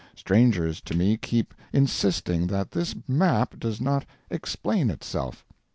Strangers to me keep insisting that this map does not "explain itself."